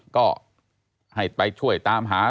ก็ให้ไปช่วยตามหา